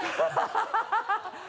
ハハハ